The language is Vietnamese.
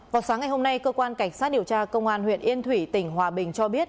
vào sáng ngày hôm nay cơ quan cảnh sát điều tra công an huyện yên thủy tỉnh hòa bình cho biết